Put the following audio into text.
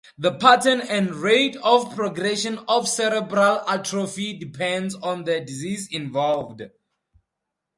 The pattern and rate of progression of cerebral atrophy depends on the disease involved.